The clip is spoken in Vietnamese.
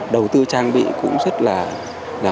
đầu tư trang bị cũng rất là